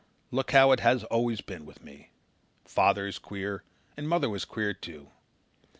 Look how it has always been with me. Father is queer and mother was queer, too.